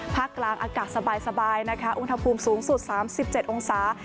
ภาคกลางอากาศสบายนะคะอุณหภูมิสูงสุด๓๗องศา